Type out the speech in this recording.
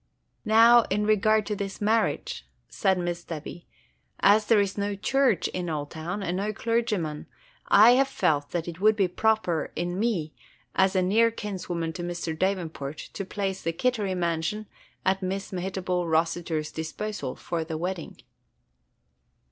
"Now, in regard to this marriage," said Miss Debby, "as there is no church in Oldtown, and no clergyman, I have felt that it would be proper in me, as a near kinswoman to Mr. Davenport, to place the Kittery mansion at Miss Mehitable Rossiter's disposal, for the wedding."